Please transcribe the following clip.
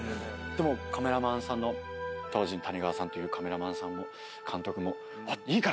でもカメラマンさんの当時タニガワさんというカメラマンさんも監督も。